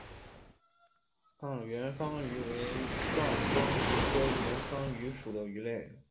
暗圆帆鱼为钻光鱼科圆帆鱼属的鱼类。